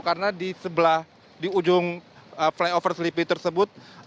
karena di sebelah di ujung flyover sleepy tersebut